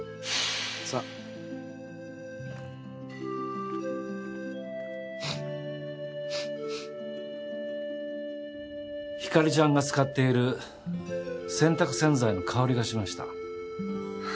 さぁひかりちゃんが使っている洗濯洗剤の香りがしました。